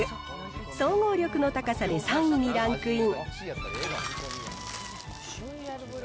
総合力の高さで３位にランクイン。